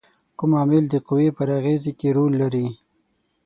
کوم عامل د قوې پر اغیزې کې رول لري؟